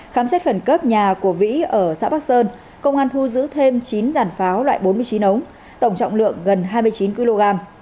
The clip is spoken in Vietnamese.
khám xét khẩn cấp nhà của vĩ ở xã bắc sơn công an thu giữ thêm chín giản pháo loại bốn mươi chín ống tổng trọng lượng gần hai mươi chín kg